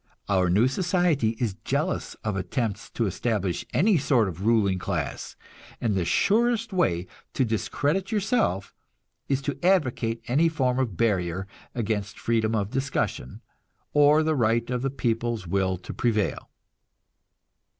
Our new society is jealous of attempts to establish any sort of ruling class, and the surest way to discredit yourself is to advocate any form of barrier against freedom of discussion, or the right of the people's will to prevail.